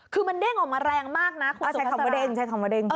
คือมันเด้งออกมาแรงมากนะคุณสุภาษาศาสตรา